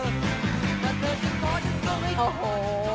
ถ้าเธอจะขอฉันก็ไม่อยากให้เธอดู